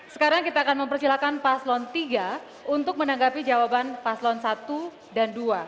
sekarang kita akan mempersilahkan paslon tiga untuk menanggapi jawaban paslon satu dan dua